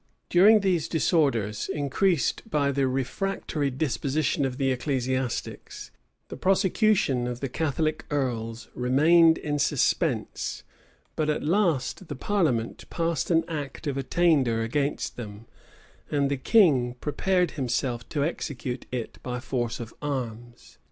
} During these disorders, increased by the refractory disposition of the ecclesiastics, the prosecution of the Catholic earls remained in suspense; but at last the parliament passed an act of attainder against them, and the king prepared himself to execute it by force of arms.